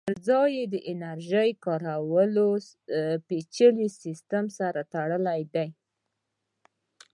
پرځای یې د انرژۍ کارولو پېچلي سیسټم سره تړلی دی